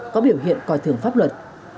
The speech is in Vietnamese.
có biểu hiện còi thường pháp luật